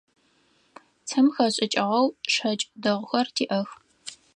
Цым хэшӏыкӏыгъэу шэкӏ дэгъухэр тиӏэх.